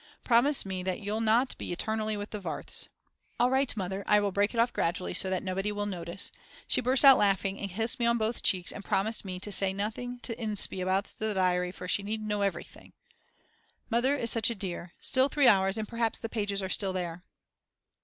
Promise me that you'll not be eternally with the Warths. All right, Mother, I will break it off gradually so that nobody will notice. She burst out laughing and kissed me on both cheeks and promised me to say nothing to Inspee about the diary for she needn't know everything. Mother is such a dear. Still 3 hours and perhaps the pages are still there.